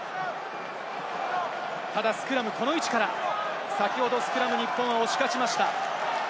スクラム、この位置から先ほどのスクラム、日本は押し勝ちました。